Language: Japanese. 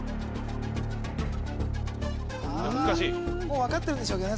難しいもう分かってるんでしょうけどね